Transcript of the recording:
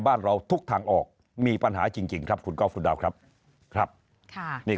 บ้านเราทุกทางออกมีปัญหาจริงครับคุณก๊อฟคุณดาวครับครับค่ะนี่